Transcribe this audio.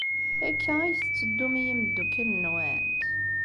Akka ay tetteddum i yimeddukal-nwent?